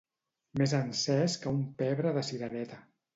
Més encès que un pebre de cirereta.